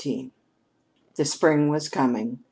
XIV The spring was coming.